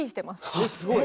えっすごい。